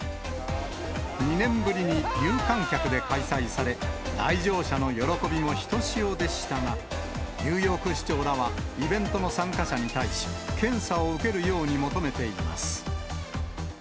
２年ぶりに有観客で開催され、来場者の喜びもひとしおでしたが、ニューヨーク市長らは、イベントの参加者に対し、検査を受けるように求めています。